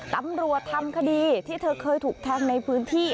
ตำรวจทำคดีที่เธอเคยถูกแทงในพื้นที่